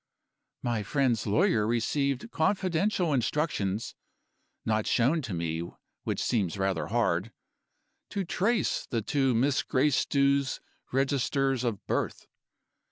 "My friend's lawyer received confidential instructions (not shown to me, which seems rather hard) to trace the two Miss Gracedieus' registers of birth.